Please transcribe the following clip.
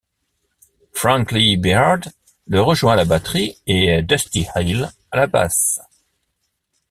Frank Lee Beard le rejoint à la batterie et Dusty Hill à la basse.